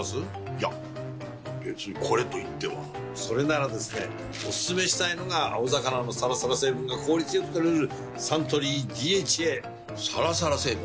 いや別にこれといってはそれならですねおすすめしたいのが青魚のサラサラ成分が効率良く摂れるサントリー「ＤＨＡ」サラサラ成分？